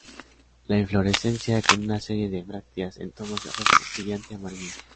La inflorescencia con una serie de brácteas en tonos de rojo brillante a amarillo.